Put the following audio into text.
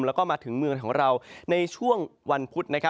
แล้วก็มาถึงเมืองของเราในช่วงวันพุธ